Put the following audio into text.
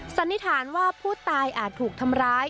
สันนิษฐานว่าผู้ตายอาจถูกทำร้าย